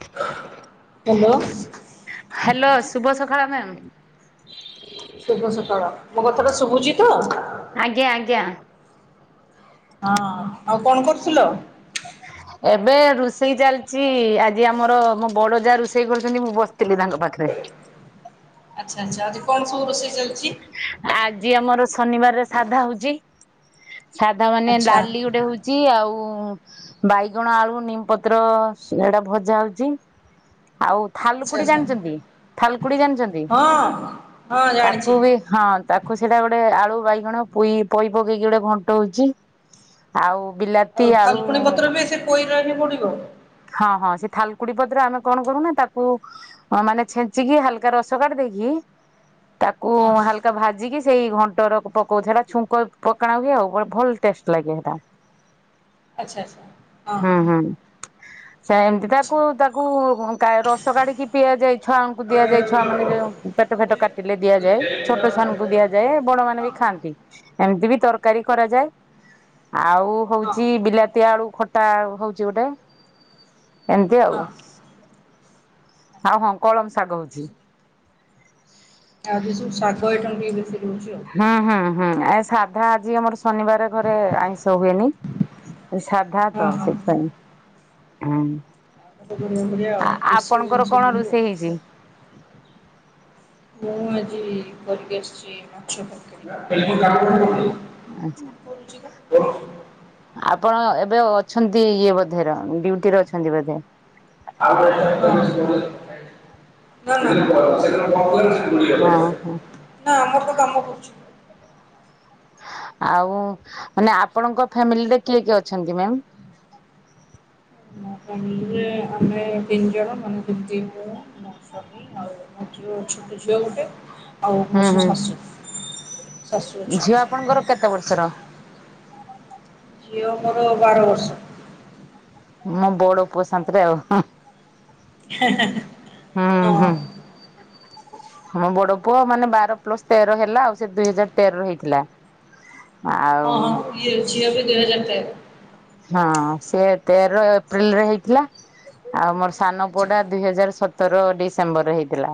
[unintelligible] Hello. Hello ଶୁଭ ସକାଳ ma'am. ଶୁଭ ସକାଳ ମୋ କଥାଟା ଶୁଭୁଛି ତ? ଆଜ୍ଞା ଆଜ୍ଞା। ହଁ ଆଉ କଣ କରୁଥିଲ? ଏବେ ରୋଷେଇ ଚାଲିଛି ଆଜି ଆମର ମୋ ବଡ ଯାଆ ରୋଷେଇ କରୁଛନ୍ତି ମୁଁ ବସିଥିଲି ତାଙ୍କ ପାଖରେ। ଆଚ୍ଛା ଆଚ୍ଛା ଆଜି କଣ ସବୁ ରୋଷେଇ ଚାଲ ଆଜି ଆମର ଶନିବାରରେ ସାଧା ହଉଛି। ସାଧା ମାନେ ଡାଲି ଗୋଟେ ହଉଛି ଆଉ ଉଁ ବାଇଗଣ, ଆଳୁ, ନିମପତ୍ର ସେଇଟା ଭଜା ହଉଛି ଆଉ ଥାଲକୁଡି ଜାଣିଛନ୍ତି ଥାଲକୁଡି ଜାଣିଛନ୍ତି ତାକୁ ବି ହଁ ତାକୁ ସେଇଟା ଗୋଟେ ଆଳୁ ବାଇଗଣ ପୋଇ ପୋଇ ପକେଇକି ଗୋଟେ ଘଣ୍ଟ ହଉଛି ଆଉ ବିଲାତି ଆଳୁ ଉଁ ଇରେ ପଡିବ। ହଁ ହଁ ସେ ଥାଲକୁଡି ପତ୍ର ଆମେ କଣ କରୁନା ତାକୁ ମାନେ ଛେଞ୍ଚିକି ହାଲକା ରସ କାଢି ଦେଇକି ତାକୁ ହାଲକା ଭାଜିକି ସେଇ ଘଣ୍ଟର ପକଉ ସେଇଟା ଛୁଙ୍କ ପକାଣା ହୁଏ ଆଉ ଗୋଟେ ଭଲ ଟେଷ୍ଟ ଲାଗେ ସେଇଟା। ଆଚ୍ଛା ଆଚ୍ଛା ହଁ ହଁ। ସେ ଏମତି ତାକୁ ତାକୁ ଉଁ କା ରସ କାଢିକି ପିଆ ଯାଇ ଛୁଆଙ୍କୁ ଦିଆଯାଏ ଛୁଆ ମାନେ ଯୋଉ ପେଟ ଫେଟ କାଟିଲେ ଦିଆଯାଏ ଛୋଟ ଛୁଆଙ୍କୁ ଦିଆଯାଏ ବଡ ମାନେ ବି ଖାଆନ୍ତି ଏମିତି ବି ତରକାରୀ କରାଯାଏ ଆଉ ହଉଛି ବିଲାତି ଆଳୁ ଖଟା ହଉଛି ଗୋଟେ। ଏମିତି ଆଉ ହଁ କଳମ ଶାଗ ହଉଛି। ଆଜି ସବୁ ଶାଗ ଆଇଟମ ଟିକେ ବେଶି ହଁ ହଁ ହଁ ଆ ସାଧା ଆଜି ଆମର ଶନିବାର ଘରେ ଆଇଁଷ ହୁଏନି। ସାଧା ତ ସେଥିପାଇଁ ହୁଁ। ଆମେ ତ ବରହମପୁରିଆ ଆଉ ଦେଶୀ ଆପଣଙ୍କର ଜିନିଷ କଣ ସବୁ ରୋଷେଇ ଆଉ। ହେଇଛି? ମୁଁ ଆଜି କରିକି ଆସିଛି ମାଛ ତରକାରୀ। ହଁ ଆଚ୍ଛା ପଢୁଛି ତ। ଆପଣ ଏବେ ଅଛନ୍ତି ଇଏ ବୋଧେ ର ଡ୍ୟୁଟିରେ ଅଛନ୍ତି ବୋଧେ। ହଁ ହଁ ନା ନା ନା ଆମର ଓହୋ ତ କାମ କରୁଛି। ଆଉ ମାନେ ଆପଣଙ୍କ ଫ୍ୟାମିଲିରେ କିଏ କିଏ ଅଛନ୍ତି ମ୍ୟାମ? ମୋ ଫ୍ୟାମିଲିରେ ଆମେ ତିନି ଜଣ ମାନେ ଯେମତି ମୁଁ ମୋ ସ୍ଵାମୀ ଆଉ ମୋ ଝୁଅ ଛୋଟ ଝିଅ ଗୋଟେ ହୁଁ ହୁଁ ଝିଅ ଆପଣଙ୍କର କେତେ ବର୍ଷର? ଝିଅ ମୋର ବାର ବର୍ଷର। ମୋ ବଡ ପୁଅ ସାଥିରେ ଆଉ। ହଁ ମମ ବଡ ପୁଅ ମାନେ ବାର ପ୍ଲସ ତେର ହେଲା ଆଉ ସେ ଦୁଇହଜାରତେରରେ ହେଇଥିଲା। ହଁ ହଁ ଆଉ ଇଏ ଝିଅ ବି ଦୁଇହଜ ହଁ ସେ ତେରଏପ୍ରିଲ ରେ ହେଇଥିଲା ଆଉ ମୋର ସାନ ପଅଡା ଦୁଇହଜାରସତର ଡିସେମ୍ବରରେ ହେଇଥିଲା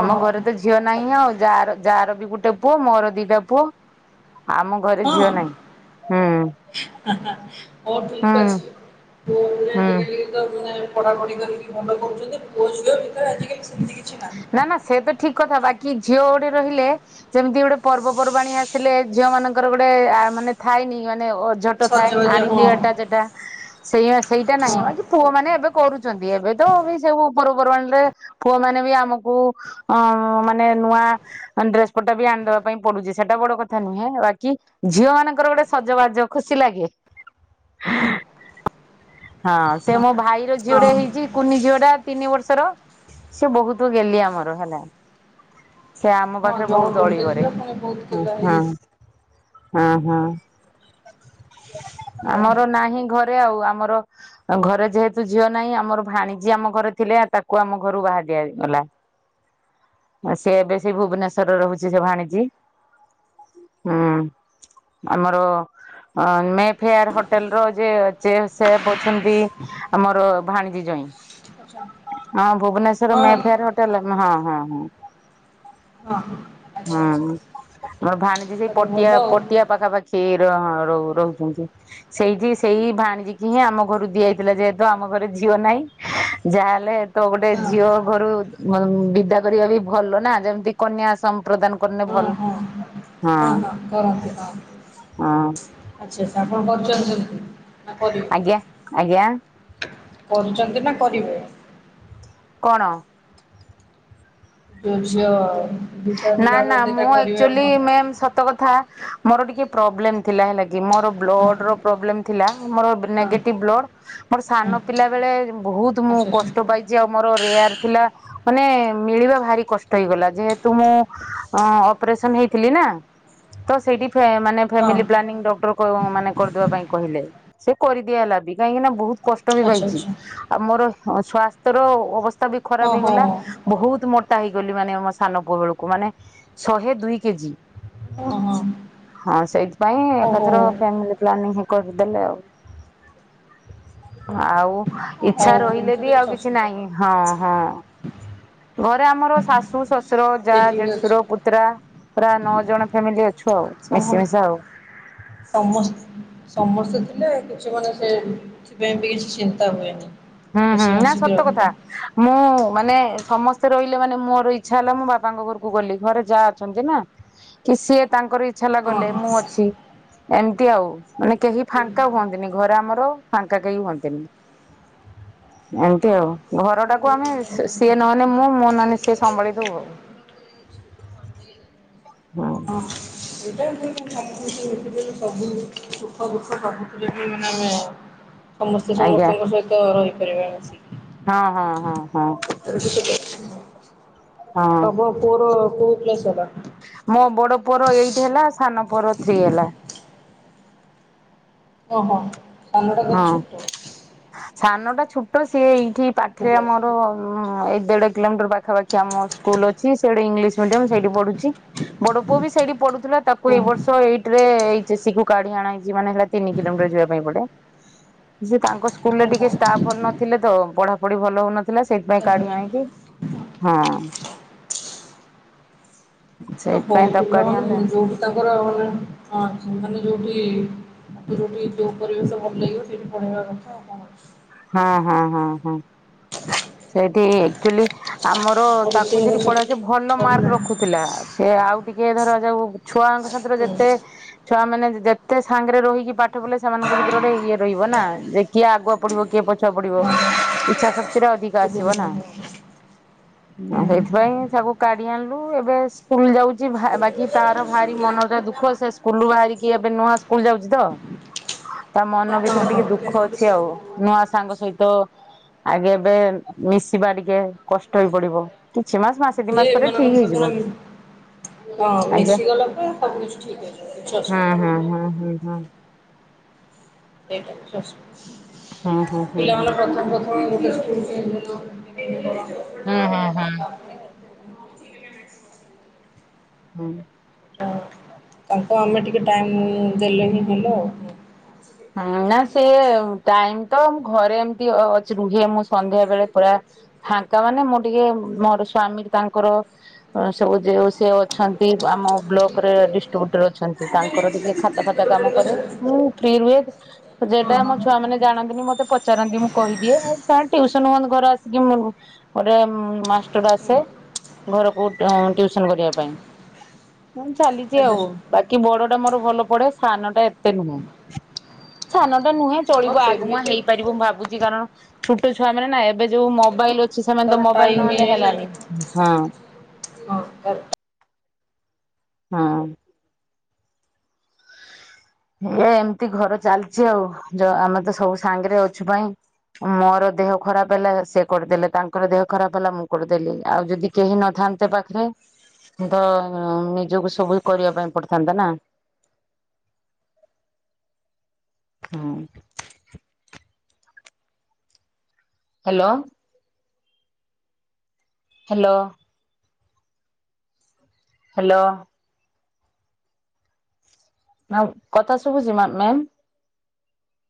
ଆମ ଘରେ ତ ଝିଅ ନାହିଁ ଆଉ ଯା ଯାହାର ବି ଗୋଟେ ପୁଅ ମୋର ଦିଟା ପୁଅ ଆମ ଘରେ ଝିଅ ନାହିଁ ହୁଁ। ହଉ ଠିକ୍ ହୁଁ ଅଛି। ହୁଁ। [inaudible] ପଢାପାଢି କରିକି ଭଣ୍ଡ କରୁଛନ୍ତି ଭୋଜ ଭିତରେ ଆଜି କାଲି ସେମିତି ନା ନା ସେ ତ ଠିକ କଥା ବାକି କି ଝିଅ ଗୋଟେ ରହିଲେ ଯେମିତି ଗୋଟେ ପର୍ବପର୍ବାଣୀ ଆସିଲେ ଝିଅ ମାନଙ୍କର ଗୋଟେ ମାନେ ଥଏନି ମାନେ ଝୋଟ ଥାଏ ଆଣିଦିଅ ଟା ଯେଟା ସେଇ ସେଇଟା ନାହିଁ ବା କି ପୁଅମାନେନେ ଏବେ କରୁଛନ୍ତି ଏବେ ତ ବି ସବୁ ଉପରପମାଣରେ ପୁଅ ମାନେ ବି ଆମକୁ ଅ ମାନେ ନୂଆ ଡ୍ରେସ ପଟା ବି ଆଣିଦବା ପାଇଁ ପଡୁଛି ସେଟା ବଡ କଥା ନୁହେଁ ବାକି ଝିଅ ମାନଙ୍କର ଗୋଟେ ସଜବାଜ ଖୁସି ଲାଗେ। ହଁ ସେ ମୋବ ଭାଇର ଝିଅଟେ ହେଇଛି କୁନିଝି ତିନି ବର୍ଷର ସେ ବହୁତ ଗେହ୍ଲି ଆମର ହେଲା। ସେ ଆମ ପାଖରେ ବହୁତ ଅଳି କରେ ହଁ। ହୁଁ ହୁଁ ଆମର ନାହିଁ ଘରେ ଆଉ ଆମର ଘରେ ଯେହେତୁ ଝିଅ ନାହିଁ ଆମର ଭାଣିଜୀ ଆମ ଘରେ ଥିଲେ ତାକୁ ଆମ ଘରୁ ବାହା ଦିଆଗଲା ସେ ଏବେ ସେ ଭୁବନେଶ୍ଵରର ରହୁଛି ସେ ଭାଣିଜୀ ହୁଁ ଆମର ମେଫେଆର ହୋଟେଲ ର ଯେ ସେ ଅଛନ୍ତି ଆମର ଭାଣିଜୀ ଜୋଇଁ। ଭୁବନେଶ୍ୱର ମେଫେୟାର ହୋଟେଲ ହଁ। ହୁଁ ହୁଁ ହୁଁ ମରସେ ଭାଣିଜି ସେଇ ପଟିଆ ପଟିଆ ପାଖାପାଖି ର ରହୁଛନ୍ତି ସେଇଠି ସେଇ ଭାଣିଜି କିି ହିଁ ଆମ ଘରୁ ଦିଆଯାଇଥିଲା ଯେହେତୁ ଆମ ଘରେ ଝିଅ ନାହିଁ ଯାହାହେଲେ ତ ଗୋଟେ ଝିଅ ଘରୁ ବିଦା କରିବା ବି ଭଲ ନା ଯେମିତି କନ୍ୟା ସମ୍ ପ୍ରଦାନ କନେ ଭଲ। ହଁ ହଁ କରନ୍ତି ହଁ ହଁ। ଆଚ୍ଛା ଆଚ୍ଛା ଆପଣ କରୁଛନ୍ତି। [inaudible] ଆଜ୍ଞା ଆଜ୍ଞା କରୁଚନ୍ତି ନାଁ କରିବେ? କଣ? ତୁ ଝିଅ ନାଁ ନାଁ ମୁଁ ଏକ୍ଚୁଲି ମେମ୍ ସତ କଥା ମୋର ଟିକେ ପ୍ରୋବ୍ଲେମ ଥିଲା ହେଲା କି ମୋର ବ୍ଲଡର ପ୍ରୋବ୍ଲେମ୍ ଥିଲା ମୋର ନେଗେଟିଭ ବ୍ଲଡ ମୋର ସାନ ପିଲା ବେଳେ ମୁଁ ବହୁତ ମୁଁ କଷ୍ଟ ପାଇଚି ଆଉ ଆମର ରେୟାର ଥିଲା ମାନେ ମିଳିବା ଭାରି କଷ୍ଟ ହେଇଗଲା ଯେହେ ତୁ ମୁଁ ଅପରେସ ହେଥିଲିନା ତ ସେଇଠି ଫ୍ୟା ମାନେ ଫ୍ୟାମିଲି ପ୍ଲାନିଂ ଡକ୍ଟର କ ମାନେ କରିଦବା ପାଇଁ କହିଲେ ସେ କରିଦିଆ ହେଲା ବି କାହିଁକି ନା ବୋ--ହୁତ କଷ୍ଟ ବି ପାଇଚି ଆଉ ମୋର ହଁ ସ୍ୱାସ୍ଥ୍ୟର ଅବସ୍ ତା ବି ଖରାପ ହେଇଗଲା ବହୁତ ମୋ ତା ହେଇଗଲି ମାନେ ମସ୍ ସାନ ପୁଅ ବେଳୁକୁ ମାନେ ଶହେ ଦୁଇ କେଜି ହଁ ସେଇ ପାଇଁ ଏକାଥର ଫ୍ୟାମିଲି ପ୍ଲାନିଂ ହେ କରିଦେଲେ ଆଉ ଆଉ ଇଚ୍ଛା ରହିଲେ ବି ଆଉ କିଛି ନାହିଁ ହଁ ହଁ। ଘରେ ଆମର ଶାଶୁ ଶ ଶୁର ଯା ଦଡଶୁର ପୁତୁରା ପୁରା ନଅ ଜଣ ଫ୍ୟାମିଲି ଅ ଛୁ ଆଉ ମିଶି ମିିଶା ଆଉ। ସମସ୍ତେ ଥିଲେ କିଛି ମାନେ ସେଥିପାଇଁ ବି କିଛି ଚିନ୍ତା ହୁଏନି। ହୁଁ ହୁଁ ନାଁ ସତ କଥା ମୁଁ ମାନେ ସମସ୍ତେ ରହିଲେ ମାନେ ମୋର ଇଚ୍ଛା ହେଲା ମୁଁ ବାପାଙ୍କ ଘରୁକୁ ଗଲି ଘରେ ଯା ଅଛନ୍ତି ନାଁ କି ସିଏ ତାଙ୍କର ଇ ଚ୍ଛା ହେଲା ଗଲେ ମୁଁ ଅଛି। ଏମତି ଆଉ ମାନେ କେହି ଫାଙ୍କା ହୁଅନ୍ତିନି ଘରେ ଆମର ଫାଙ୍କା କେହି ହୁଅନ୍ତିନି। ଏମତି ଆଉ ଘର ଟାକୁ ଆମେ ସି ସିଏ ନହେନେ ମୁଁ ମୁଁ ନହେନେ ସିଏ ସମ୍ଭାଳି ଦୋଉ ଆଉ। ହଁ। ସେମ ଥିଲେ ଭଲ ଦୁଶୁ [unintelligible] ସବୁ ସୁଖ ଦୁଃଖ ସବୁଥିରେ ବି ମାନେ ଆମେ ସମସ୍ତେ ଆଜ୍ଞା ସମସ୍ତଙ୍କ ସହିତ ରହି କରିବାର ଅଛି। ହଁ ହଁ ହଁ ହଁ। ହଁ ତମ ପୁଅର କୋଉ କିଲାସ୍ ହେଲା। ମୋ ବଡ଼ ପୁଅର ଏଇଟ୍ ହେଲା। ସାନପୁଅର ଥ୍ରୀ ହେଲା। ଓହୋ, ସନଟା ତାଠୁ ହଁ। ଛୋଟ, ସାନ ଟା ଛୋଟ ସିଏ ଏଇଠି ପାଖରେ ଆମର ଉ ଦେଢ କିଲୋମିଟର ପାଖାପାଖି ଆମ ସ୍କୁଲ ଅଛି ସେଇଠି ଇଂଲିଶ ମିଡିମ ସେଇଠି ପଢୁଛି ବଡ ପୁଅ ବି ସେଇଠି ପଢୁଥିଲା ତାକୁ ଏଇ ବର୍ଷ ଏଇଟ୍ ରେ ଏଚେ ଏସେ ସି କୁ କାଢି ଅଣାହେଇଛି ମାନେ ହେଲା ତିନି କିଲୋମିଟର ଯିବା ପାଇଁ ପଡେ। ସେ ତାଙ୍କ ସ୍କୁଲରେ ଟିକେ ଷ୍ଟାଫ ଭଲ ନଥିଲେ ତ ପଢାପଢି ଭଲ ହଉନଥିଲା ସେଇଥିପାଇଁ କାଢି ଆଣିଆଇଲି ହଁ ହଉ ସେଇଥିପାଇଁ ତାକୁ କାଢି ଆଣିଲେ ପିଲାମାନେ ଯୋଉଠି ତାଙ୍କର ମାନେ ମାନେ ଯୋଉଠି ମତେ ଯୋଉଠି ଯୋଉ ପରିବେଶ ଭଲ ଲାଗିବ ସେଠି ପଢେଇବା କଥା ଆଉ କଣ ଅଛି। ହଁ ହଁ ହଁ ହଁ। ସେଇଠି ଆକ୍ଚୁଆଲି ଆମର ତାକୁ ସେଠି ପଢା ସ ଭଲ ମାର୍କ ରଖୁଥିଲା। ସେ ଆଉ ଟିକେ ଧର ଯାଉ। ଛୁଆଙ୍କ ସାଥିରେ ଯେତେ ଛୁଆ ମାନେ ଯେତେ ସାଙ୍ଗରେ ରହିକି ପାଠ ପଢିଲେ ସେମାନଙ୍କ ଭିତରେ ଗୋଟେ ଇଏ ରହିବ ନା। ଯେ କିଏ ଆଗୁଆ ପଡିବ କିଏ ପଛୁଆ ପଡିବ। ଇଚ୍ଛା ଶକ୍ତିରେ ଅଧିକ [unintelligible] ସେଇଥିପାଇଁ ସବୁ କାଢି ଆଣିଲୁ। ଏବେ ସ୍କୁଲ୍ ଯାଉଛି ବାକି ତାର ଭାରି ମନଟା ଦୁଃଖ ସେ ସ୍କୁଲ୍ ବାହାରିକି ଏବେ ନୂଆ ସ୍କୁଲ୍ ଯାଉଛି ତ। ତା ମନ ଭିତରେ ଟିକେ ଦୁଃଖ ଅଛି ଆଉ। ନୂଆ ସାଙ୍ଗ ସହିତ ଆଗେ ଏବେ ମିଶିବା ଟିକେ କଷ୍ଟ ହେଇ ପଡିବ। କିଛି ମାସ ମାସେ ଦି ସେ ମାସ ପରେ ମାନ ଠିକ ହେଇଯିବ। କ ହଁ ଆଜ୍ଞା। ମିଶଗଲା ପରେ ସବୁ କିଛି ଠିକ୍ ହେଇ ଯିବ। କିଛି ହୁଁ ଅସୁବିଧା ହୁଁ ହବନି। ହୁଁ ହୁଁ ହୁଁ ସେଇଟା ହୁଁ ସଶ ହୁଁ ହୁଁ ହୁଁ ପିଲାମାନେ ପ୍ରଥମ ପ୍ରଥମେ [unintelligible] ହୁଁ ହୁଁ ହୁଁ। ହୁଁ। ହଁ ତାଙ୍କ ଆମେ ଟିକେ ଟାଇମ୍ ଦେଲେ ହିଁ ଭଲ ଆଉ। ହଁ ନା। ସିଏ ଟାଇମ୍ ତ ଘରେ ଏମତି ଅ ଅଛି ରୁହେ ମୁଁ ସନ୍ଧ୍ୟାବେଳେ ପୁରା ଫାଙ୍କା ମାନେ ମୁଁ ଟିକେ ମୋର ସ୍ଵାମୀ ତାଙ୍କର ସବୁ ଯ ସେ ଅଛନ୍ତି ଆମ ବ୍ଲକରେ ଡିଷ୍ଟ୍ରିବୁଟରେ ଅଛନ୍ତି। ତାଙ୍କର ଟିକେ ଖାତା ଫାତା କାମ କରେ। ଫି ରୁହେ ଯେଟା ଆମ ଛୁଆ ମାନେ ଜାଣନ୍ତିନି ମତେ ପଚାରନ୍ତି ମୁଁ କହିଦିଏ। ଆଉ ସାର୍ ଟିଉସନ ହୁଅନ୍ତି ଘରେ ଆସିକି ଗୋଟେ ମାଷ୍ଟର ଆସେ ଘରକୁ ଟିଉସନ କରିବା ପାଇଁ। ମୁଁ ଚାଲିଛି ଆଉ ବାକି ବଡ ଟା ମୋର ଭଲ ପଢେ। ସାନ ଟା ଏତେ ନୁହେଁ। ସାନଟା ନୁହେଁ। ଚଳିବ ଆଗ ମୁଆ ହେଇପାରିବ ମୁଁ ଭାବୁଛି। କାରଣ ଛୋଟ ଛୁଆ ମାନେ ନା ଏବେ ଯୋଉ ମୋବାଇଲ ଅ କି ସେମାନେ ତ ମୋବାଇଲ ନହେଲେ ହେଲାନି ହଁ। ହଁ। ଏ ଏମିତି ଘର ଚାଲିଛି ଆଉ। ଯ ଆମେ ତ ସବୁ ସାଙ୍ଗରେ ଅଛୁ ପାଇଁ ମୋର ଦେହ ଖରାପ ହେଲା ସେ କରିଦେଲେ ତାଙ୍କର ଦେହ ଖରାପ ହେଲା ମୁଁ କରିଦେଲି। ଆଉ ଯଦି କେହି ନଥାନ୍ତେ ପାଖରେ ତ ନିଜକୁ ସବୁ କରିବା ପାଇଁ ପଡିଥାନ୍ତା ନା। ହଁ। ହ୍ୟାଲୋ। ହ୍ୟାଲୋ। ହ୍ୟାଲୋ। ଆଉ କଥା ଶୁଭୁଛି ମ୍ୟାମ୍।